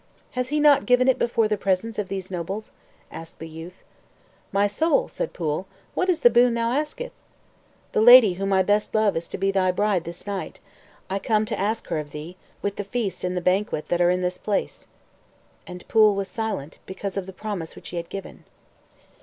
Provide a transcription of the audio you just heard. "Has he not given it before the presence of these nobles?" asked the youth. "My soul," said Pwyll, "what is the boon thou askest?" "The lady whom best I love is to be thy bride this night; I come to ask her of thee, with the feast and the banquet that are in this place." And Pwyll was silent, because of the promise which he had given.